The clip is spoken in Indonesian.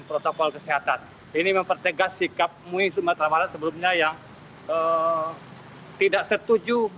protokol kesehatan ini mempertegas sikap mui sumatera barat sebelumnya yang tidak setuju